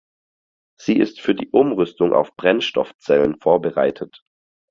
Sie ist für die Umrüstung auf Brennstoffzellen vorbereitet.